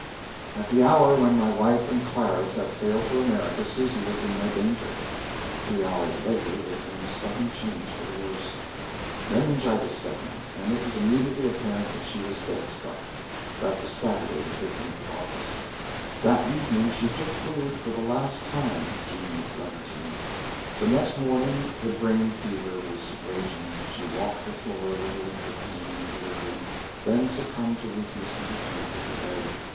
At the hour when my wife and Clara set sail for America, Susy was in no danger. Three hours later there came a sudden change for the worse. Meningitis set in, and it was immediately apparent that she was death struck. That was Saturday, the 15th of August. "That evening she took food for the last time," (Jean's letter to me). The next morning the brain fever was raging. She walked the floor a little in her pain and delirium, then succumbed to weakness and returned to her bed.